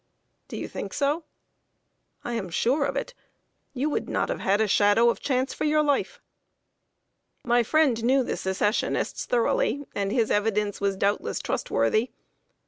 "Do you think so?" "I am sure of it. You would not have had a shadow of chance for your life!" My friend knew the Secessionists thoroughly, and his evidence was doubtless trustworthy.